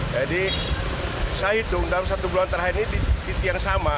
jadi saya hitung dalam satu bulan terakhir ini di titik yang sama